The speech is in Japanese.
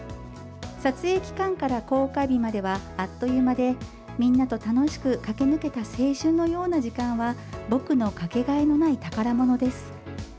撮影期間から公開日まではあっという間で、みんなと楽しく駆け抜けた青春のような時間は、僕の掛けがえのない宝物です。